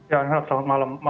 ya selamat malam